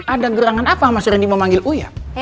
ada gerangan apa mas randy mau manggil uya